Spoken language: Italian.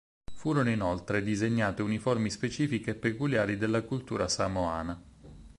Furono inoltre disegnate uniformi specifiche e peculiari della cultura samoana.